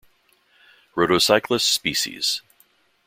"Rhodocyclus" sp.